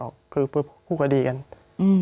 พี่เรื่องมันยังไงอะไรยังไง